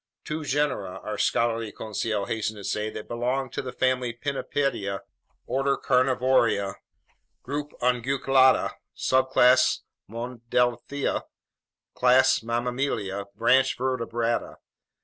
"Two genera," our scholarly Conseil hastened to say, "that belong to the family Pinnipedia, order Carnivora, group Unguiculata, subclass Monodelphia, class Mammalia, branch Vertebrata."